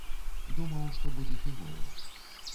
Думаў, што будзе фігова.